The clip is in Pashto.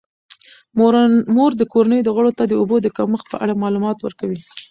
مور د کورنۍ غړو ته د اوبو د کمښت په اړه معلومات ورکوي.